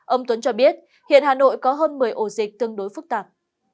ông tuấn cho biết hiện hà nội có hơn một mươi ổ dịch tương đối phức tạp